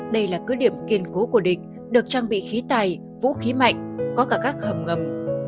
đây là cứ điểm kiên cố của địch được trang bị khí tài vũ khí mạnh có cả các hầm ngầm